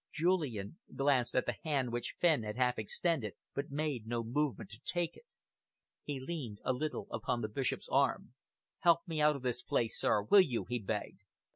Julian glanced at the hand which Fenn had half extended but made no movement to take it. He leaned a little upon the Bishop's arm. "Help me out of this place, sir, will you?" he begged.